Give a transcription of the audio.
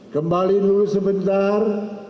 kembali dulu sebentar